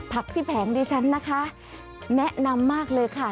ที่แผงดิฉันนะคะแนะนำมากเลยค่ะ